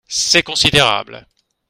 C’est considérable.